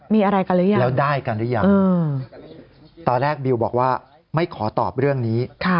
มีอะไรกันหรือยังแล้วได้กันหรือยังตอนแรกบิวบอกว่าไม่ขอตอบเรื่องนี้